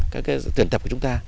các tuyển tập của chúng ta